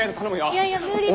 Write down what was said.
いやいや無理です！